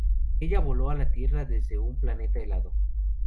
Ella voló a la Tierra desde un planeta helado.